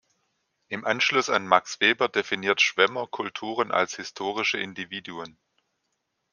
Im Anschluss an Max Weber definiert Schwemmer Kulturen als "historische Individuen".